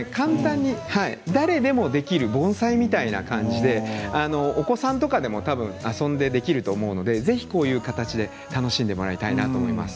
誰でもできる盆栽みたいな感じで、お子さんとかでも遊んでできると思うのでぜひ、こういう形で楽しんでもらいたいなと思います。